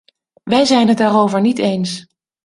We zijn het daarover niet eens.